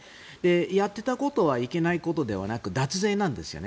やっていたことはいけないことではなく脱税なんですよね。